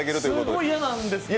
すごい嫌なんですけど。